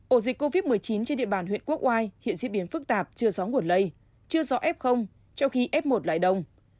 ổ dịch covid một mươi chín trên địa bàn huyện quốc oai hiện diễn biến phức tạp chưa rõ nguồn lây chưa rõ f trong khi f một loại đông